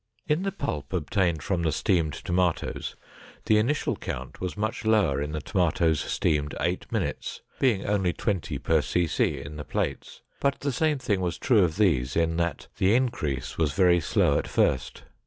In the pulp obtained from the steamed tomatoes, the initial count was much lower in the tomatoes steamed eight minutes, being only 20 per cc in the plates, but the same thing was true of these in that the increase was very slow at first.